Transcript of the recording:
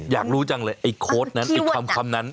อยากรู้จังเลยไอ้โค้ดนั้นไอ้คำนั้น